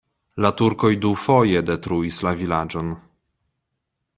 La turkoj dufoje detruis la vilaĝon.